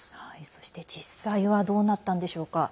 そして、実際はどうなったんでしょうか。